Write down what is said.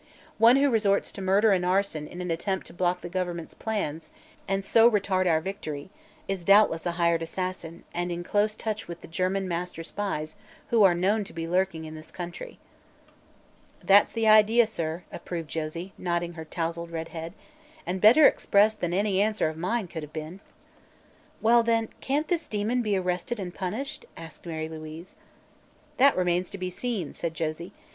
One who resorts to murder and arson in an attempt to block the government's plans, and so retard our victory, is doubtless a hired assassin and in close touch with the German master spies who are known to be lurking in this country." "That's the idea, sir," approved Josie, nodding her tousled red head, "and better expressed than any answer of mine could have been." "Well, then, can't this demon be arrested and punished?" asked Mary Louise. "That remains to be seen," said Josie.